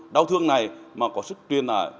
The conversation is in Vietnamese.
đau thương này mà có sức truyền lại